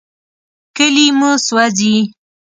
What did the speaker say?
کلي مو سوځي.